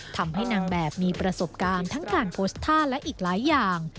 ทำให้นางแบบมีประสบการณ์ทั้งการโพสต์ท่าและอีกหลายอย่าง